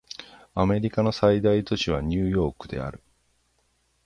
アメリカの最大都市はニューヨークである